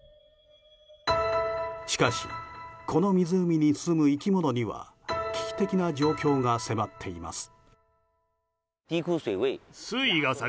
しかし、この湖に住む生き物には危機的な状況が迫っています。